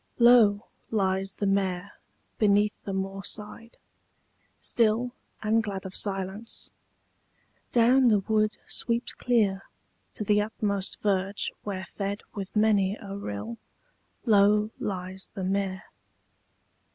LOW lies the mere beneath the moorside, still And glad of silence: down the wood sweeps clear To the utmost verge where fed with many a rill Low lies the mere.